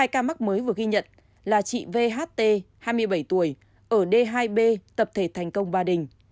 hai ca mắc mới vừa ghi nhận là chị vht hai mươi bảy tuổi ở d hai b tập thể thành công ba đình